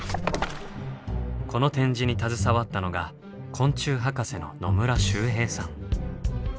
この展示に携わったのが昆虫博士の野村周平さん。